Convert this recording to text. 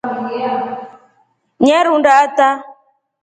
Nyarunda ata.